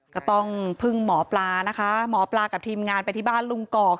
ก็ต้องพึ่งหมอปลานะคะหมอปลากับทีมงานไปที่บ้านลุงกอก